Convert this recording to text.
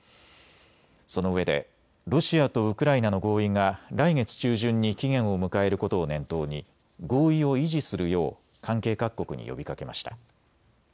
そのうえでロシアとウクライナの合意が来月中旬に期限を迎えることを念頭に合意を維持するよう関係各国に呼びかけました。